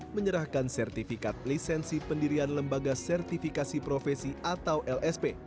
menyerahkan sertifikat lisensi pendirian lembaga sertifikasi profesi atau lsp